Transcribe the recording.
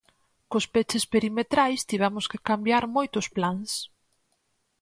Cos peches perimetrais tivemos que cambiar moitos plans.